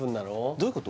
どういうこと？